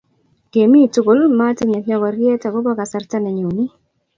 Kemii tukul, matinye nyokoriet akoba kasarta nenyoni